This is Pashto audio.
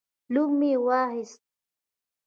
لور مې واخیست